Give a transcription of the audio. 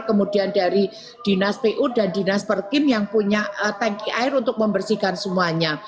kemudian dari dinas pu dan dinas perkin yang punya tanki air untuk membersihkan semuanya